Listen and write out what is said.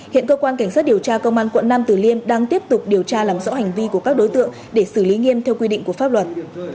hiện cơ quan cảnh sát điều tra công an quận nam tử liêm đang tiếp tục điều tra làm rõ hành vi của các đối tượng để xử lý nghiêm theo quy định của pháp luật